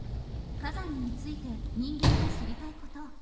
火山について人間が知りたいこと。